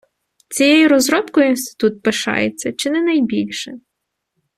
Цією розробкою інститут пишається чи не найбільше.